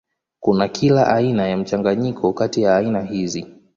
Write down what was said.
Kuna kila aina ya mchanganyiko kati ya aina hizi.